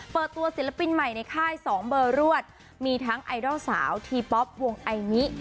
เปิดตัวศิลปินใหม่ในค่าย๒เบอร์รวดมีทั้งไอดอลสาวทีป๊อปวงไอมิ